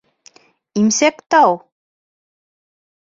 Имсәктау!..